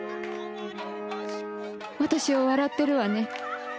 私を笑ってるわね。